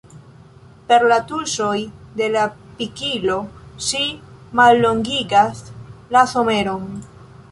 Per la tuŝoj de la pikilo ŝi mallongigas la someron.